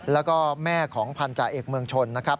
แล้วก็แม่ของพันธาเอกเมืองชนนะครับ